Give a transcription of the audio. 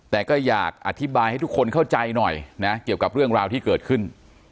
แต่ก็อยากอธิบายให้ทุกคนเข้าใจหน่อยนะเกี่ยวกับเรื่องราวที่เกิดขึ้น